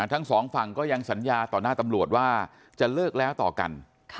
ทั้งสองฝั่งก็ยังสัญญาต่อหน้าตำรวจว่าจะเลิกแล้วต่อกัน